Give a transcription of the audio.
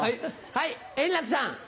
はい円楽さん。